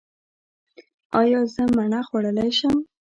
ایا زه مڼه خوړلی شم؟